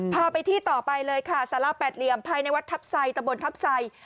พาไปที่ต่อไปเลยค่ะสาระแปดเหลี่ยมภายในวัดทัพไซตะบนทัพไซ